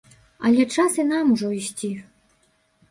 Але час і нам ужо ісці!